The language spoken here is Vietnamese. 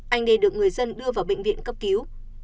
anh đê được người dân đưa vào bệnh viện cấp cứu